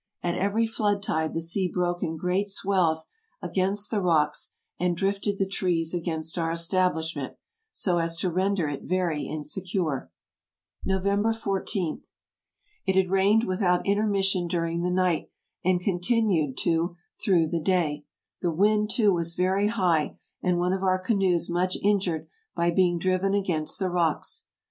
At every flood tide the sea broke in great swells against the rocks and drifted the trees against our establishment, so as to render it verv insecure. 158 TRAVELERS AND EXPLORERS "November ij_. — It had rained without intermission dur ing the night and continued to through the day; the wind, too, was very high, and one of our canoes much injured by be ing driven against the rocks.